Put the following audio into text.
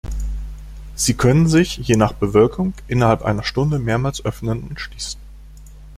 Sie können sich je nach Bewölkung innerhalb einer Stunde mehrmals öffnen und schließen.